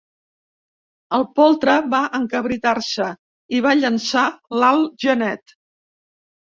El poltre va encabritar-se i va llançar l'alt genet.